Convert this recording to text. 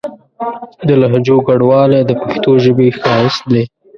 د لهجو ګڼوالی د پښتو ژبې ښايست دی.